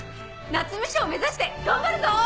夏目賞目指して頑張るぞ！